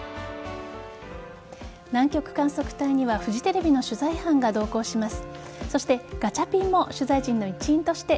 南極観測隊にはフジテレビの取材班が同行します。